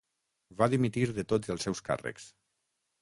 Va dimitir de tots els seus càrrecs.